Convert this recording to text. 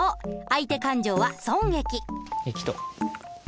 相手勘定は損益。